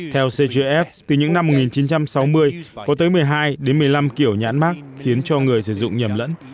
theo cgf từ những năm một nghìn chín trăm sáu mươi có tới một mươi hai một mươi năm kiểu nhãn mát khiến cho người sử dụng nhầm lẫn